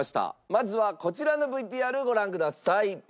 まずはこちらのＶＴＲご覧ください。